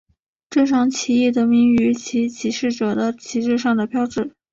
这场起义得名于其起事者的旗帜上的标志。